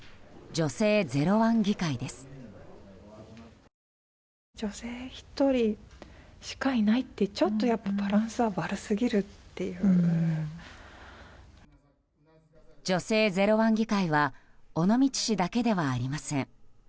女性ゼロワン議会は尾道市だけではありません。